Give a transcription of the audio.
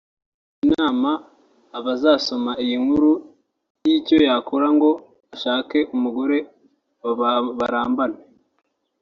Aragisha inama abazasoma iyi nkuru y’icyo yakora ngo ashake umugore barambane